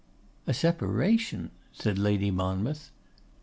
'A separation!' said Lady Monmouth.